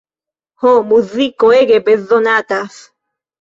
Ho, muziko ege bezonatas.